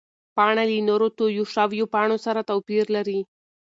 پاڼه له نورو تویو شوو پاڼو سره توپیر لري.